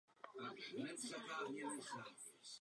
Duchovní správu zde vykonávali cisterciáci z kláštera v Oseku.